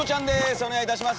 お願いいたします。